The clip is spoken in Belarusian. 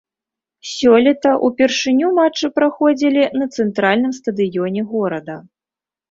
Сёлета ўпершыню матчы праходзілі на цэнтральным стадыёне горада.